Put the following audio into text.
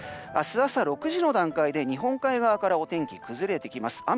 明日朝６時の時点で日本海側からお天気が崩れてきます。